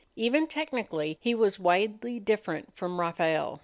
Even technically he was widely different from Raphael.